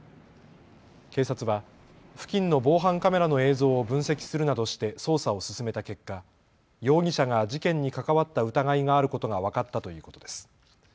警察は付近の防犯カメラの映像を分析するなどして捜査を進めた結果、容疑者が事件に関わった疑いがあることが分かったということです。